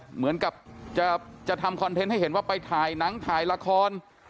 เหมือนกับจะทำคอนเทนต์ให้เห็นว่าไปถ่ายหนังถ่ายละคร